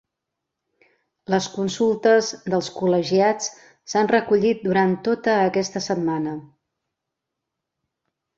Les consultes dels col·legiats s'han recollit durant tota aquesta setmana.